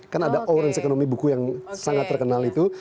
kan ada orange economy buku yang sangat terkenal itu